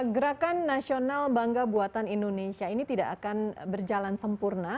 gerakan nasional bangga buatan indonesia ini tidak akan berjalan sempurna